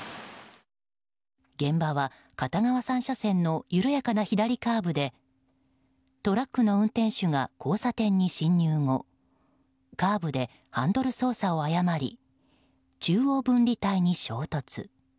現場は、片側３車線の緩やかな左カーブでトラックの運転手が交差点に進入後カーブでハンドル操作を誤り中央分離帯に衝突。